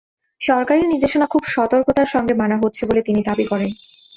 সরকারি নির্দেশনা খুব সতর্কতার সঙ্গে মানা হচ্ছে বলে তিনি দাবি করেন।